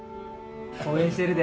応援してるで。